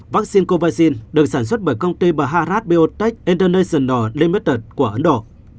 vaccine covaxin được sản xuất bởi công ty bharat biotech international limited của ấn độ